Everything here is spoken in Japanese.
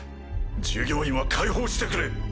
従業員は解放してくれ。